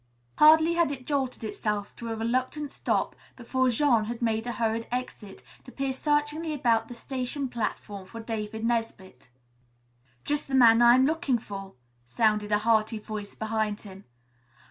Hardly had it jolted itself to a reluctant stop before Jean made a hurried exit, to peer searchingly about the station platform for David Nesbit. "Just the man I'm looking for," sounded a hearty voice behind him.